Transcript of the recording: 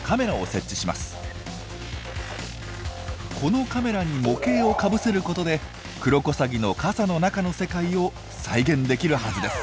このカメラに模型をかぶせることでクロコサギの傘の中の世界を再現できるはずです。